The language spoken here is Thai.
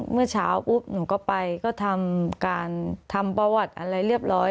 เมื่อเช้าปุ๊บหนูก็ไปก็ทำการทำประวัติอะไรเรียบร้อย